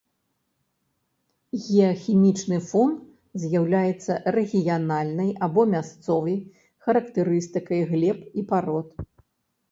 Геахімічны фон з'яўляецца рэгіянальнай або мясцовай характарыстыкай глеб і парод.